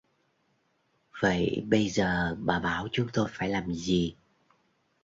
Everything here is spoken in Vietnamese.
Vậy bây giờ bà bảo chúng tôi phải làm gì